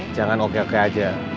jangan oke oke aja